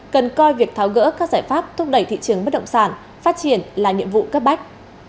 gần coi việc tháo gỡ các giải pháp thúc đẩy thị trường mất động sản phát triển là nhiệm vụ gấp bách